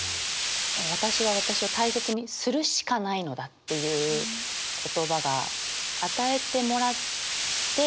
「私は私を大切にするしかないのだ」っていう言葉が与えてもらって